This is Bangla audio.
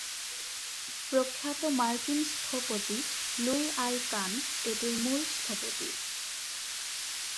প্রখ্যাত মার্কিন স্থপতি লুই আই কান এটির মূল স্থপতি।